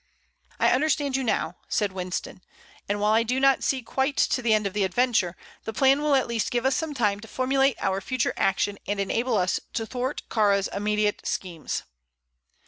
"I understand you now," said Winston; "and while I do not see quite to the end of the adventure, the plan will at least give us time to formulate our future action and enable us to thwart Kāra's immediate schemes."